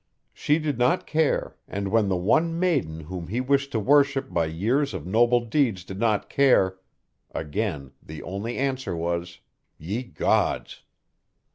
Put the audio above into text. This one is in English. She did not care and when the one maiden whom he wished to worship by years of noble deeds did not care again the only answer was "Ye Gods!"